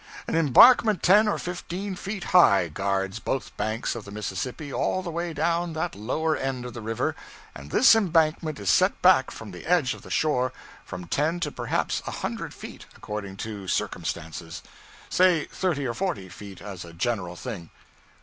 An embankment ten or fifteen feet high guards both banks of the Mississippi all the way down that lower end of the river, and this embankment is set back from the edge of the shore from ten to perhaps a hundred feet, according to circumstances; say thirty or forty feet, as a general thing.